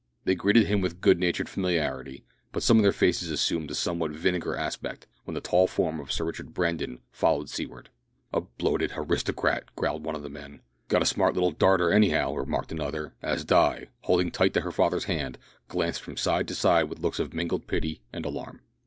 They greeted him with good natured familiarity, but some of their faces assumed a somewhat vinegar aspect when the tall form of Sir Richard Brandon followed Seaward. "A bloated haristocrat!" growled one of the men. "Got a smart little darter, anyhow," remarked another, as Di, holding tight to her father's hand, glanced from side to side with looks of mingled pity and alarm.